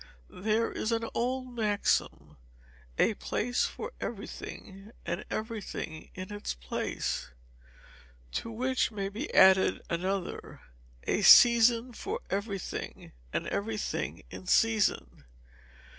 There is an old maxim, "A place for everything, and everything in its place," To which may be added another, "A season for everything, and everything in season."